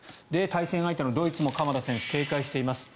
対戦相手のドイツも鎌田選手を警戒しています。